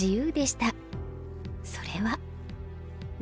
それは。